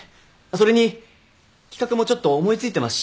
それに企画もちょっと思い付いてますし。